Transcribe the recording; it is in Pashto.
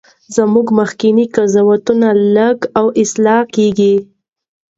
زموږ مخکني قضاوتونه لږ او اصلاح کیږي.